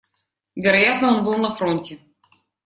Вероятно, он был на фронте.